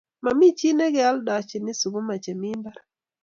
Mami chii nekealdochin sukuma che mii mbar